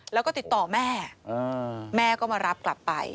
แล้วก็ติดต่อแม่แม่ก็มารับกลับไป